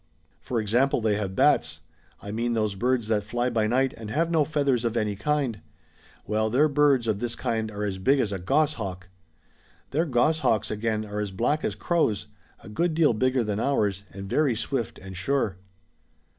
For example they have bats, — I mean those birds that fly by night and have no feathers of any kind ;— well their birds of this kind are as big as a goshawk ! Their goshaw^ks again are as black as crows, a good deal bigger than ours, and very swift and sure.